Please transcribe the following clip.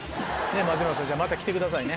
松山さんまた来てくださいね。